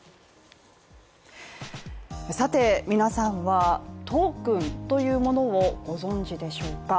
皆さんはトークンというものをご存じでしょうか？